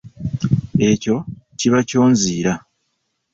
Ekyo kiba ky'onziira.